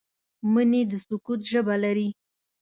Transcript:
مني د سکوت ژبه لري